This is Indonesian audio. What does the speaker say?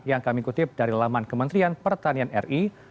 yang kami kutip dari laman kementerian pertanian ri